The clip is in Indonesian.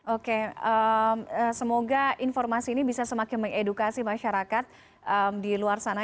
oke semoga informasi ini bisa semakin mengedukasi masyarakat di luar sana